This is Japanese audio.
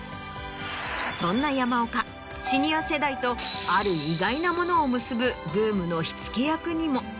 そんな山岡シニア世代とある意外なものを結ぶブームの火付け役にも。